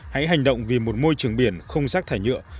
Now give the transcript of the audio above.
hãy hành động vì một môi trường biển không rác thải nhựa